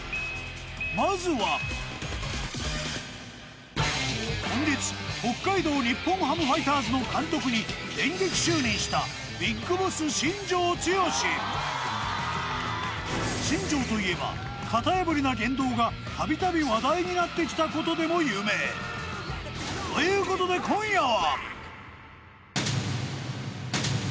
まずは北海道日本ハムファイターズの監督に電撃就任したＢＩＧＢＯＳＳ新庄といえば型破りな言動がたびたび話題になってきたことでも有名ということで今夜は！